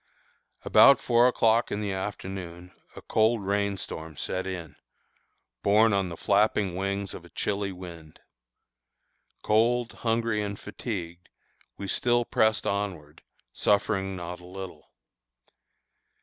About four o'clock in the afternoon a cold rain storm set in, borne on the flapping wings of a chilly wind. Cold, hungry, and fatigued, we still pressed onward, suffering not a little.